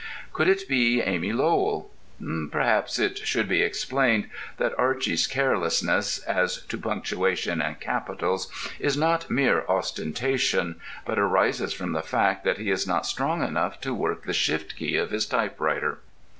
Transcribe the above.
Could it be Amy Lowell? Perhaps it should be explained that Archy's carelessness as to punctuation and capitals is not mere ostentation, but arises from the fact that he is not strong enough to work the shift key of his typewriter.